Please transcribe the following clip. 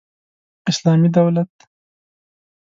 اسلامي دولت